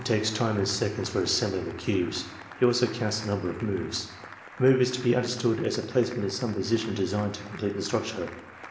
takes time in seconds for assembling the cubes. He also counts the number of moves. A move is to be understood as a placement in some position designed to complete the structure.